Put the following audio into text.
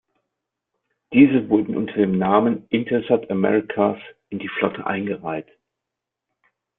Diese wurden unter dem Namen "Intelsat Americas" in die Flotte eingereiht.